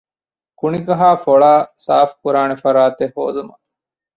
ކުނިކަހައި ފޮޅައި ސާފުކުރާނެ ފަރާތެއް ހޯދުމަށް